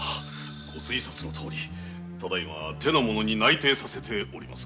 ご推察のとおり現在手の者に内偵させております。